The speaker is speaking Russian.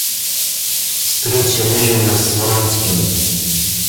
Встреча Левина с Вронским.